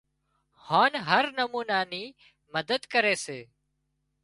هانَ هر نمونا نِي مدد ڪري سي